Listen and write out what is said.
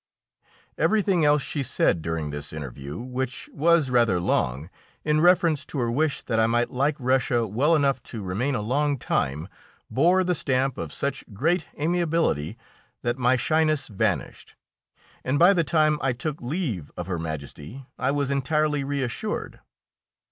Everything else she said during this interview, which was rather long, in reference to her wish that I might like Russia well enough to remain a long time, bore the stamp of such great amiability that my shyness vanished, and by the time I took leave of Her Majesty I was entirely reassured.